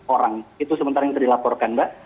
orang itu sementara yang terdilaporkan mbak